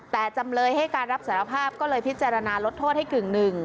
แต่จำเลยให้การรับสารภาพก็เลยพิจารณาลดโทษให้กึ่งหนึ่ง